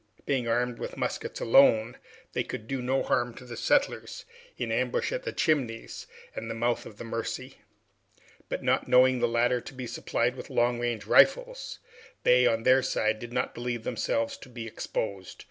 Being armed with muskets alone, they could do no harm to the settlers, in ambush at the Chimneys and the mouth of the Mercy; but, not knowing the latter to be supplied with long range rifles, they on their side did not believe themselves to be exposed.